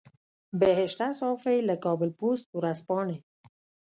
بهشته صافۍ له کابل پوسټ ورځپاڼې.